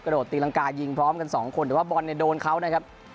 โดดตีรังกายิงพร้อมกันสองคนแต่ว่าบอลเนี่ยโดนเขานะครับ